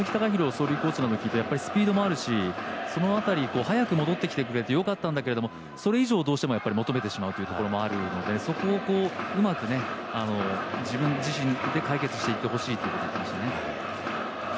走塁コーチによりますとスピードもあるし、その辺り、早く戻ってきてくれてよかったけどそれ以上をどうしても求めてしまうというところもあるのでそこをうまく自分自身で解決していってほしいということでしたね。